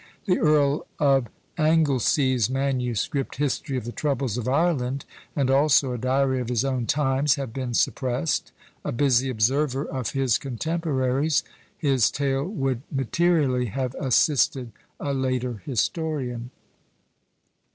The Earl of Anglesea's MS. History of the Troubles of Ireland, and also a Diary of his own Times, have been suppressed; a busy observer of his contemporaries, his tale would materially have assisted a later historian.